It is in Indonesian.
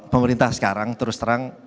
pemerintah sekarang terus terang